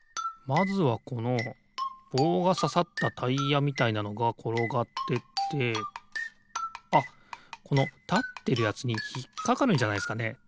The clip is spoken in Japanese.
まずはこのぼうがささったタイヤみたいなのがころがってってあっこのたってるやつにひっかかるんじゃないすかね？